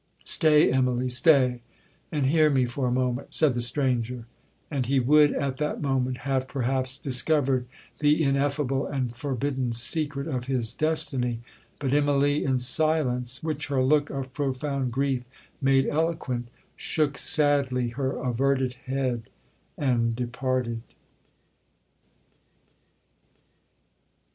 'Stay, Immalee,—stay, and hear me for a moment,' said the stranger; and he would, at that moment, have perhaps discovered the ineffable and forbidden secret of his destiny, but Immalee, in silence, which her look of profound grief made eloquent, shook sadly her averted head, and departed.'